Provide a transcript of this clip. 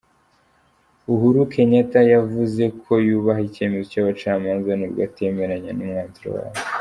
Uhuru Kenyatta yavuze ko yubaha icyemezo cy’abacamanza nubwo atemeranya n’umwanzuro wabo.